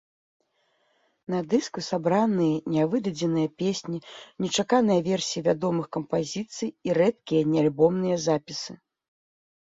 На дыску сабраныя нявыдадзеныя песні, нечаканыя версіі вядомых кампазіцый і рэдкія неальбомныя запісы.